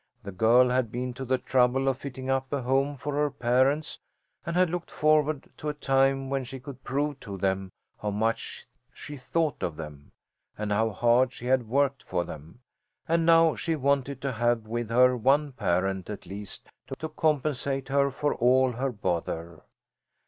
The girl had been to the trouble of fitting up a home for her parents and had looked forward to a time when she could prove to them how much she thought of them, and how hard she had worked for them, and now she wanted to have with her one parent, at least, to compensate her for all her bother.